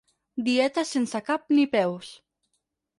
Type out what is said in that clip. Dieta sense cap ni peus.